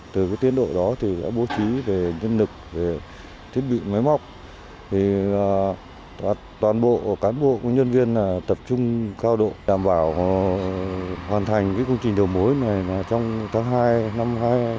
từ tiến độ đó thì đã bố trí về nhân lực thiết bị máy móc toàn bộ cán bộ của nhân viên tập trung cao độ đảm bảo hoàn thành công trình đầu mối này trong tháng hai năm hai nghìn hai mươi một